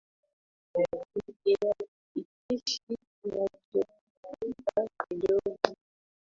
Ni kiakifishi kinachotumika kijozi.